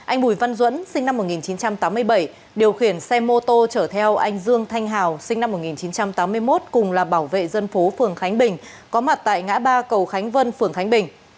anh bùi văn duẫn sinh năm một nghìn chín trăm tám mươi bảy điều khiển xe mô tô chở theo anh dương thanh hào sinh năm một nghìn chín trăm tám mươi một cùng là bảo vệ dân phố phường khánh bình có mặt tại ngã ba cầu khánh vân phường khánh bình